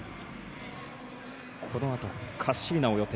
このあとカッシーナを予定。